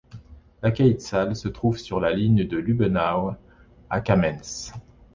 Luckaitztal se trouve sur la ligne de Lübbenau à Kamenz.